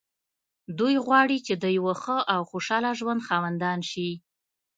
دوی غواړي چې د يوه ښه او خوشحاله ژوند خاوندان شي.